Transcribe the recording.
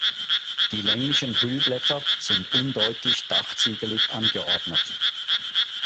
Die länglichen Hüllblätter sind undeutlich dachziegelig angeordnet.